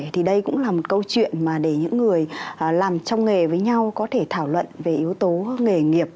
thì đây cũng là một câu chuyện mà để những người làm trong nghề với nhau có thể thảo luận về yếu tố nghề nghiệp